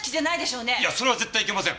いやそれは絶対いけません！